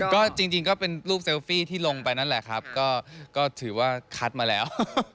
ก็จริงก็เป็นรูปเซลฟี่ที่ลงไปนั่นแหละครับก็ถือว่าคัดมาแล้ว